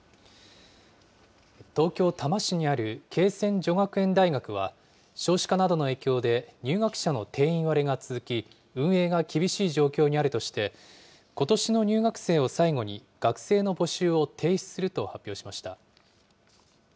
東京・多摩市にある恵泉女学園大学は、少子化などの影響で入学者の定員割れが続き、運営が厳しい状況にあるとして、ことしの入学生を最後に、学生の募集を停止すると発表しました。